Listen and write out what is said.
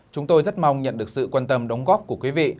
chúng tôi rất mong nhận được sự quan tâm đóng góp của quý vị